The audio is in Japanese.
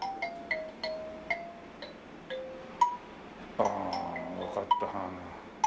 ああわかった。